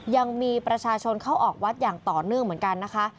ยังมีประชาชนเข้าออกวัดอย่างต่อเนื่องเหมือนกันนะคะ